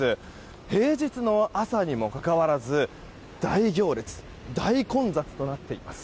平日の朝にもかかわらず大行列、大混雑となっています。